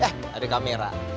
eh ada kamera